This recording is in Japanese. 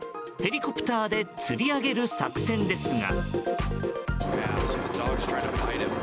ヘリコプターでつり上げる作戦ですが。